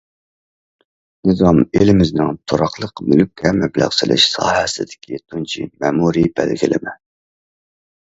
نىزام ئېلىمىزنىڭ تۇراقلىق مۈلۈككە مەبلەغ سېلىش ساھەسىدىكى تۇنجى مەمۇرىي بەلگىلىمە.